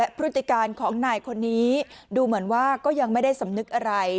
พฤติการของนายคนนี้ดูเหมือนว่าก็ยังไม่ได้สำนึกอะไร